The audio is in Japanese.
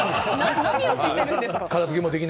何を知ってるんですか！